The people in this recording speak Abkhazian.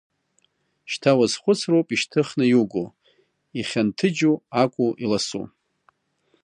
Шьҭа уазхәыцроуп ишьҭыхны иуго, ихьанҭыџьу акәу, иласу?